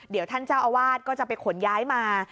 เดี๋ยวท่านเจ้าอาวาสก็จะไปขนย้ายมา